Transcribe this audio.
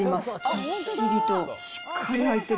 ぎっしりと、しっかり入ってる。